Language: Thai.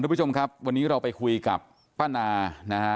ผู้ชมครับวันนี้เราไปคุยกับป้านานะฮะ